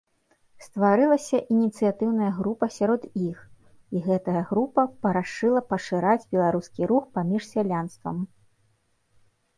Стварылася ініцыятыўная група сярод іх, і гэтая група парашыла пашырыць беларускі рух паміж сялянствам.